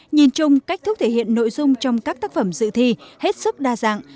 nhìn chung cách thức thể hiện nội dung trong các tác phẩm dự thi hết sức đa dạng